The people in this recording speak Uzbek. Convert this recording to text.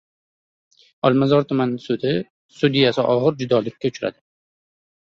Olmazor tuman sudi sudyasi og‘ir judolikka uchradi